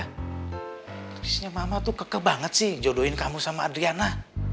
terusnya mama tuh kekeh banget sih jodohin kamu sama adriana